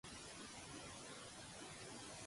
Mundocachorro és una tenda de mascotes?